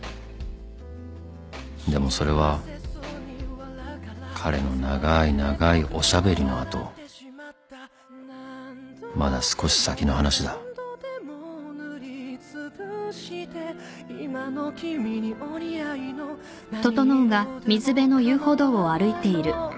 ［でもそれは彼の長い長いおしゃべりの後まだ少し先の話だ］えっ！？